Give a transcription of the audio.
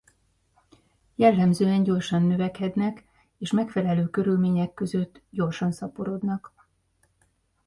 Jellemzően gyorsan növekednek és megfelelő körülmények között gyorsan szaporodnak.